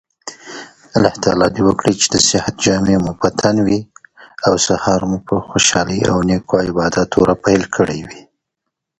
The first was B. D. Sharma of the Indian National Congress party.